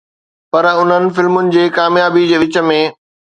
پر انهن فلمن جي ڪاميابي جي وچ ۾